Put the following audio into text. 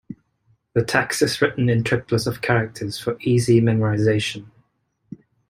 The text is written in triplets of characters for easy memorization.